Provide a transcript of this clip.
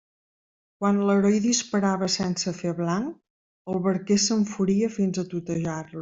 Quan l'heroi disparava sense fer blanc, el barquer s'enfuria fins a tutejar-lo.